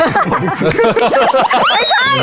ไม่ใช่